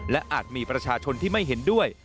และอาจมีประชาชนที่ไม่เห็นด้วย